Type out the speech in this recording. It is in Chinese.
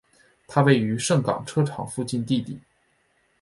它位于盛港车厂附近地底。